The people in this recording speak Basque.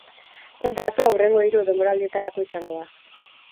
Kontratua hurrengo hiru denboraldietarako izango da.